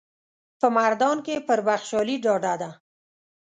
په مردان کې پر بخشالي ډاډه ده.